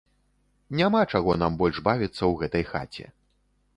Няма чаго нам больш бавіцца ў гэтай хаце.